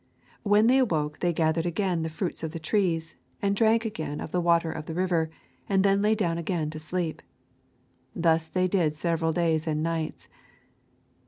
When they awoke they gathered again of the fruits of the trees, and drank again of the water of the river, and then lay down again to sleep. Thus they did several days and nights.